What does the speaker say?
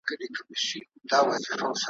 کله به رڼا سي، وايي بله ورځ ,